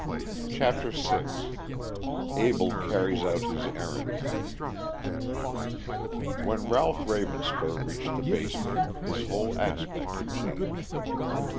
CHAPTER VI ABELL CARRIES OUT HIS ERRAND When Ralph Ravenspur reached the basement, his whole aspect had changed.